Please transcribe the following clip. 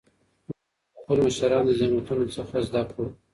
موږ باید د خپلو مشرانو له زحمتونو څخه څه زده کړو.